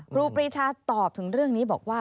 ครูปรีชาตอบถึงเรื่องนี้บอกว่า